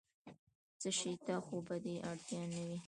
څه شي ته خو به دې اړتیا نه وي؟